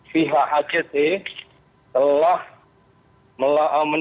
pihak act telah melambangkan